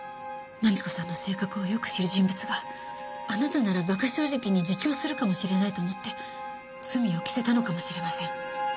菜実子さんの性格をよく知る人物があなたなら馬鹿正直に自供するかもしれないと思って罪を着せたのかもしれません。